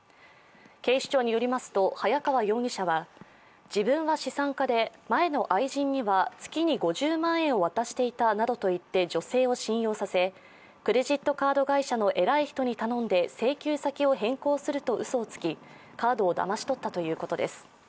警視庁によりますと、早川容疑者は自分は資産家で前の愛人には月に５０万円を渡していたなどと言って女性を信用させクレジットカード会社の偉い人に頼んで請求先を変更するとうそをつきカードをだまし取ったということです。